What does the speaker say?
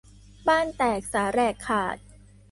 บ้านแตกสาแหรกขาด